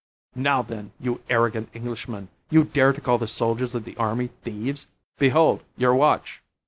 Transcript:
"Now then! You arrogant Englishman! You dare to call the soldiers of the army thieves! Behold your watch."